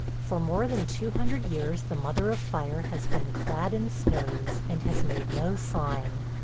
For more than two hundred years the Mother of Fire has been clad in snows and has made no sign.